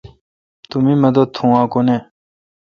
تو می مدد تھو اؘ کو نہ۔